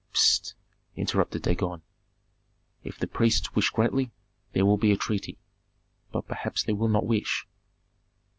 "Pst!" interrupted Dagon. "If the priests wish greatly, there will be a treaty. But perhaps they will not wish."